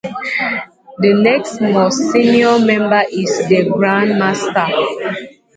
The next-most senior member is the Grand Master.